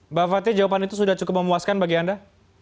mbak fathi jawaban itu sudah cukup memuaskan bagi anda